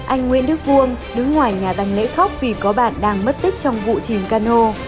anh nguyễn đức vuông đứng ngoài nhà rành lễ khóc vì có bạn đang mất tích trong vụ chìm cano